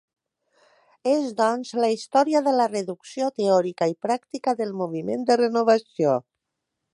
És, doncs, la història de la reducció teòrica i pràctica del moviment de renovació.